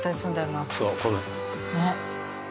ねっ。